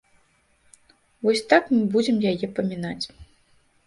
Вось так мы будзем яе памінаць.